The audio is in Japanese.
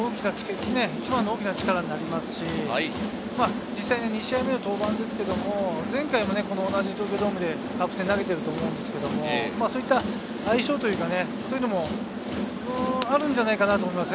一番の大きな力になると思いますし、実際２試合目の登板ですけれど、前回も同じ東京ドームでカープ戦を投げてると思うんですけれど、相性というか、そういうのもあるんじゃないかなと思います。